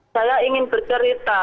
saya ingin bercerita